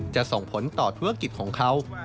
ส่งผลต่อธุรกิจของเขา